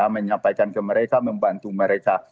menyampaikan ke mereka membantu mereka